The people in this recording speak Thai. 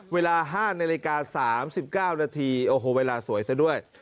เวลา๕นาฬิกา๓๙นาทีโอ้โหเวลาสวยซะด้วย